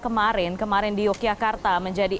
kemarin kemarin di yogyakarta menjadi